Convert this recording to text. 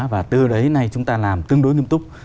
và từ đấy nay chúng ta làm tương đối nghiêm túc